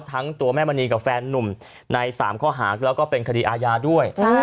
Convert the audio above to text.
ทั้งตัวแม่มณีกับแฟนนุ่มใน๓ข้อหาแล้วก็เป็นคดีอาญาด้วย